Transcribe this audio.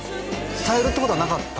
伝えるってことはなかった？